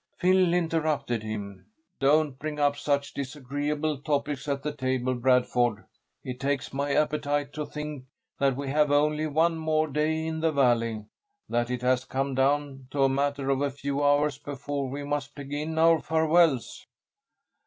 Phil interrupted him. "Don't bring up such disagreeable topics at the table, Bradford. It takes my appetite to think that we have only one more day in the Valley that it has come down to a matter of a few hours before we must begin our farewells."